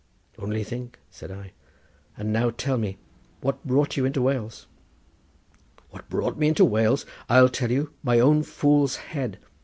"Only think," said I. "And now tell me, what brought you into Wales?" "What brought me into Wales? I'll tell you; my own fool's head.